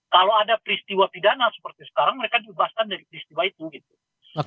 kalau ada peristiwa bidana seperti sekarang mereka dibebaskan dari peristiwa itu